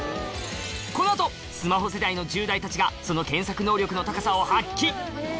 このあと、スマホ世代の１０代たちがその検索能力の高さを発揮。